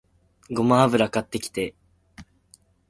ごま油買ってきて